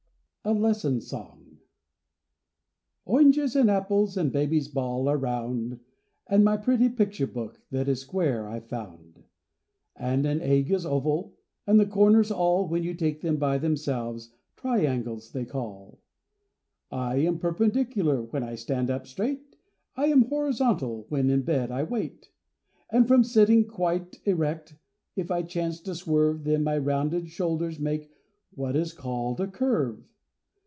ORANGES and apples, And baby's ball, are round; And my pretty picture book, That is square, I've found; And an egg is oval, And the corners all, When you take them by themselves, Triangles they call. I am perpendicular When I stand up straight, I am horizontal When in bed I wait; And from sitting quite erect, If I chance to swerve, Then my rounded shoulders make What is called a curve.